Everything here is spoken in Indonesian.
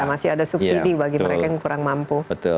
masih ada subsidi bagi mereka yang kurang mampu